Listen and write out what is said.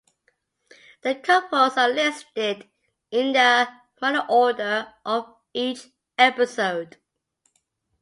The couples are listed in the running order of each episode.